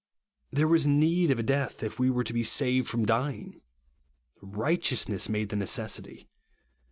There was need of a death, if we were to be saved from dying. Righteous ness made the necessity.